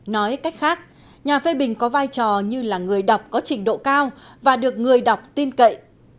nói cách khác nhà phê bình có vai trò như là người đọc có trình độ cao và được người đọc tin cậy